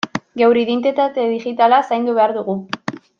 Geure identitate digitala zaindu behar dugu.